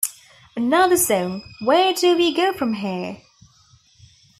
Another song, Where Do We Go From Here?